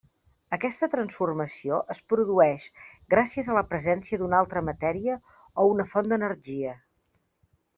Aquesta transformació es produeix gràcies a la presència d'una altra matèria o una font d'energia.